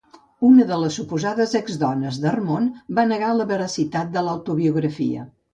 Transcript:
Una de les suposades exdones d'Harmon va negar la veracitat de l'autobiografia.